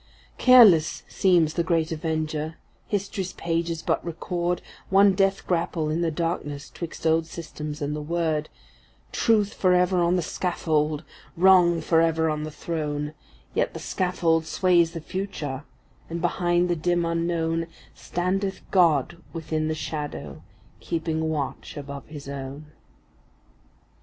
Careless seems the great Avenger; history’s pages but record One death grapple in the darkness ’twixt old systems and the Word; Truth forever on the scaffold, Wrong forever on the throne,— Yet that scaffold sways the future, and, behind the dim unknown, Standeth God within the shadow, keeping watch above his own.